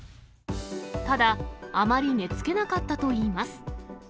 ただ、あまり寝つけなかったといいます。